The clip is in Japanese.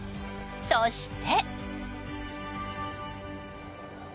そして。